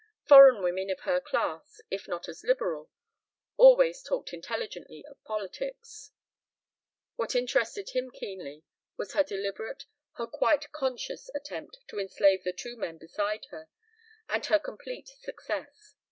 Foreign women of her class, if not as liberal, always talked intelligently of politics. What interested him keenly was her deliberate, her quite conscious attempt to enslave the two men beside her, and her complete success.